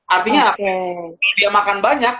artinya dia makan banyak